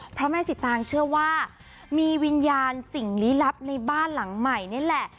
เพราะแม่สิตางเชื่อว่ามีวิญญาณสิ่งลี้ลับในบ้านหลังใหม่นี่แหละ